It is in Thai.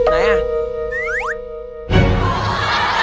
ไหนอ่ะ